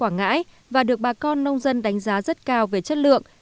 quảng ngãi và được bà con nông dân đánh giá rất cao về chất lượng